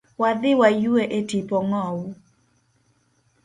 Wadhi wa yue e tipo ngowu.